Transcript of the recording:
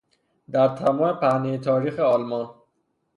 در تمام پهنهی تاریخ آلمان